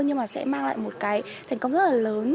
nhưng mà sẽ mang lại một cái thành công rất là lớn